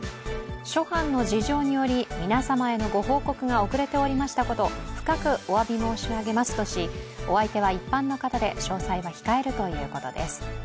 諸般の事情により皆様へのご報告が遅れておりましたこと深くおわび申し上げますとしお相手は一般の方で詳細は控えるということです。